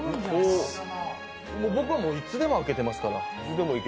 僕はもう、いつでも空けてますから。